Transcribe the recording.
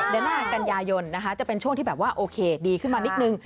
เดือนหน้ากันยายนจะเป็นช่วงที่โอเคดีขึ้นมานิดนึง